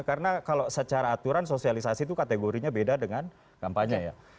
karena kalau secara aturan sosialisasi itu kategorinya beda dengan kampanye ya